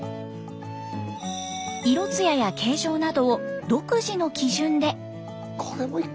色つやや形状などを独自の基準で。